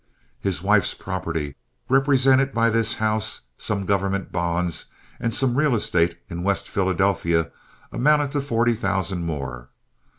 His wife's property, represented by this house, some government bonds, and some real estate in West Philadelphia amounted to forty thousand more.